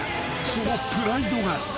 そのプライドが］